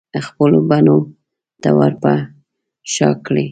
خپلو بڼو ته ورپه شا کړي